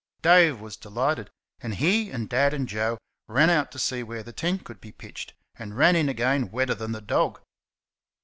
Dave was delighted, and he and Dad and Joe ran out to see where the tent could be pitched, and ran in again wetter than the dog.